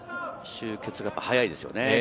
集結が早いですよね。